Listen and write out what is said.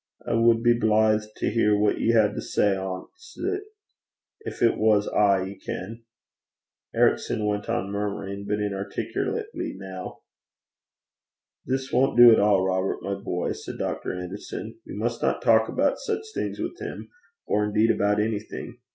I wad be blithe to hear what ye had to say anent it gin it was ay, ye ken.' Ericson went on murmuring, but inarticulately now. 'This won't do at all, Robert, my boy,' said Dr. Anderson. 'You must not talk about such things with him, or indeed about anything.